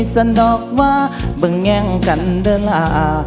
สันดอกว่าบึงแย้งกันเด้อล่า